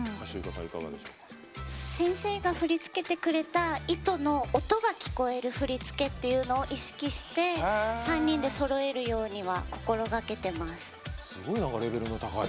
先生が振付けてくれた意図の音が聴こえる振り付けっていうのを意識して３人でそろえるようには心がけてます。